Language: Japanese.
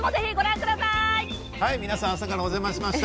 朝からお邪魔しました。